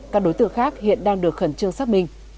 các đối tượng khác hiện đang được khẩn trương xác minh